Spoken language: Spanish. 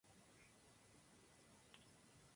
Hato Rey Central se divide en cuatro sectores;